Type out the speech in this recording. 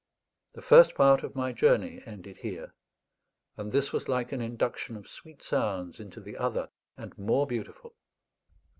The first part of my journey ended here; and this was like an induction of sweet sounds into the other and more beautiful.